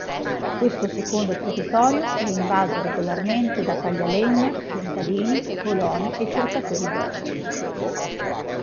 Questo secondo territorio è invaso regolarmente da taglialegna, contadini, coloni e cercatori d'oro.